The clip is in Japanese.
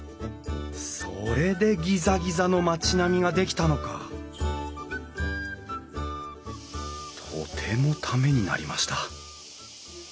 それでギザギザの町並みが出来たのかとてもためになりました。